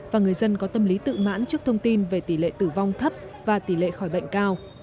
và người dân có tâm lý tự mãn trước thông tin về tỷ lệ tử vong thấp và tỷ lệ khỏi bệnh cao